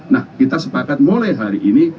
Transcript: nah kita sepakat mulai hari ini